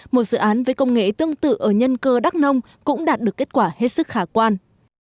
một dự án với công nghệ tương tự ở nhân cơ đắk nông cũng đạt được kết quả hết sức khả quan